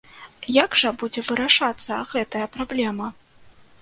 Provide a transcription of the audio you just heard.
Як жа будзе вырашацца гэтая праблема?